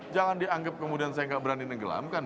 jangan dianggap kemudian saya nggak berani nenggelamkan